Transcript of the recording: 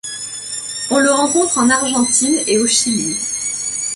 On le rencontre en Argentine et au Chili.